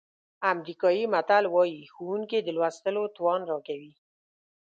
امریکایي متل وایي ښوونکي د لوستلو توان راکوي.